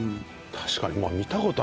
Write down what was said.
確かに。